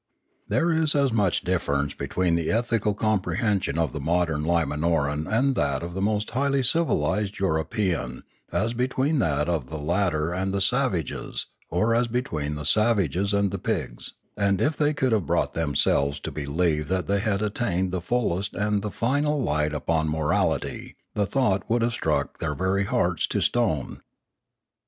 There is as much difference between the ethical comprehension of the modern Lim anoran and that of the most highly civilised European as between that of the latter and the savage's, or as be tween the savage's and the pig's; and if they could have brought themselves to believe that they had at tained the fullest and the final light upon morality, the thought would have struck their very hearts to stone.